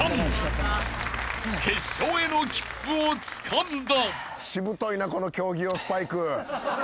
［決勝への切符をつかんだ］